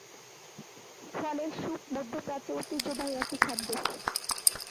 ফলের স্যুপ মধ্য প্রাচ্যে ঐতিহ্যবাহী একটি খাদ্য।